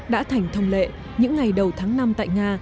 đã thành thông lệ những ngày đầu tháng năm tại nga